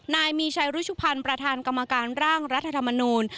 นายมีชัยรุชุพันธ์ประธานกรรมการร่างรัฐธรรมนูล